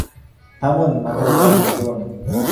থামুন - মাথার উপরে হাত তুলুন।